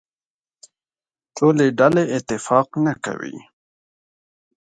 ټولې ډلې اتفاق نه کوي.